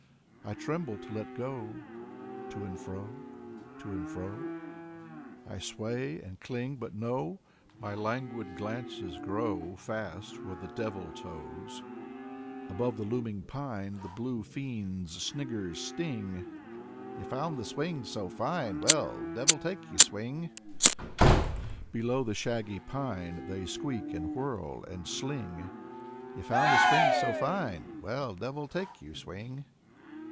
I tremble to let go; To and fro To and fro I sway and cling, but no, My languid glances grow Fast where the devil tows. Above the looming pine The blue fiend's sniggers sting: You found the swings so fine, Well, devil take you, swing! "« Fyodor Sologub 67 Below the shaggy pine They squeak and whirl and sling: " You found the swings so fine? Well, devil take you, swing!